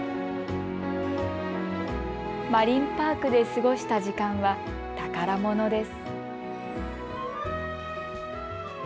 マリンパークで過ごした時間は宝物です。